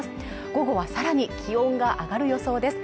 午後はさらに気温が上がる予想です